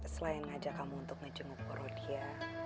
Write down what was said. selain ngajak kamu untuk ngejenguk ke rodia